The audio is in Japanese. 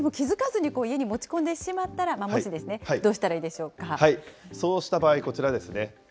でも気付かずに家に持ち込んでしまったら、もしですね、どうしたらいいでしょうか。